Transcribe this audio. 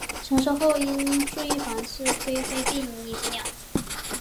成熟后应注意防治灰霉病以及鸟。